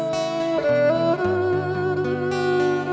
ซอโอลินค่ะ